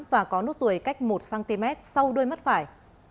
và có nút tuổi cách một cm sau đuôi mắt phải